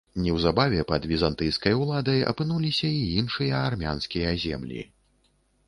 Неўзабаве пад візантыйскай уладай апынуліся і іншыя армянскія землі.